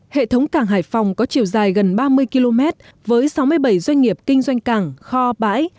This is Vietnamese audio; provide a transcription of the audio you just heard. hệ thống cảng hải phòng có chiều dài gần ba mươi km với sáu mươi bảy doanh nghiệp kinh doanh cảng kho bãi